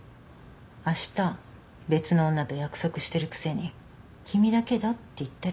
あした別の女と約束してるくせに「君だけだ」って言ったり。